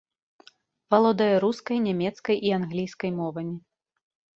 Валодае рускай, нямецкай і англійскай мовамі.